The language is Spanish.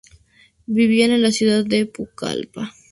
Vivían en la ciudad de Pucallpa.